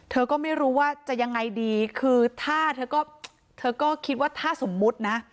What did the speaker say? เธอก็ไม่รู้ว่าจะยังไงดีคือถ้าเธอก็เธอก็คิดว่าถ้าสมมุตินะ